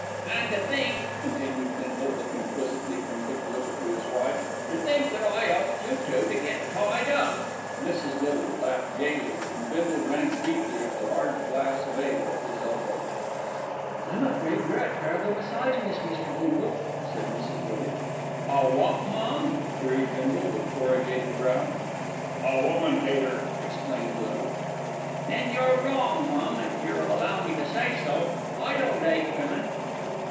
"An' to think," continued Bindle, looking quizzically from Dick Little to his wife, "to think that I 'elped you two to get tied up." Mrs. Little laughed gaily, and Bindle drank deeply of a large glass of ale at his elbow. "I'm afraid you're a terrible misogynist, Mr. Bindle," said Mrs. Little. "A wot, mum?" queried Bindle, with corrugated brow. "A woman hater," explained Little. "There you're wrong, mum, if yer'll allow me to say so; I don' 'ate women."